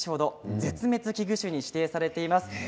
絶滅危惧種に指定されています。